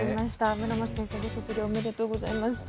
村松先生、おめでとうございます。